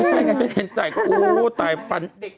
ไม่ใช่จ่ายก็โอ้โฮตายฟัน